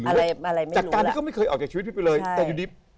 อะไรอะไรไหมจากการที่เขาไม่เคยออกจากชีวิตพี่ไปเลยแต่อยู่ดี